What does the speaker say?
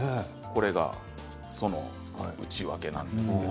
これがその内訳なんです。